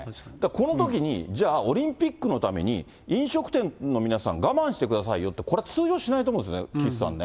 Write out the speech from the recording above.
このときに、じゃあオリンピックのために、飲食店の皆さん、我慢してくださいよって、これ通用しないと思うんですね、岸さんね。